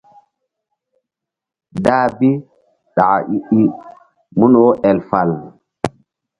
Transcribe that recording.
Dah bi ɗaka i I mun wo el fal.